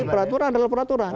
jadi peraturan adalah peraturan